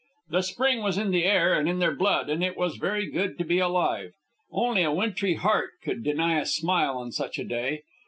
The spring was in the air and in their blood, and it was very good to be alive. Only a wintry heart could deny a smile on such a day.